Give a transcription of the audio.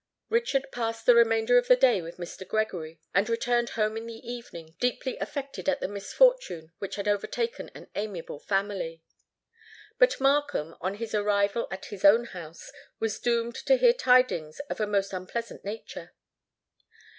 Richard passed the remainder of the day with Mr. Gregory, and returned home in the evening deeply affected at the misfortune which had overtaken an amiable family. But Markham, on his arrival at his own house, was doomed to hear tidings of a most unpleasant nature.